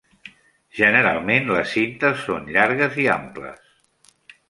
Generalment, les cintes són llargues i amples.